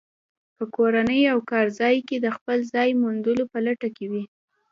په کورنۍ او کارځای کې د خپل ځای موندلو په لټه کې وي.